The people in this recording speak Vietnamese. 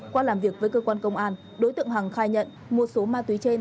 qua làm việc với cơ quan công an đối tượng hằng khai nhận mua số ma túy trên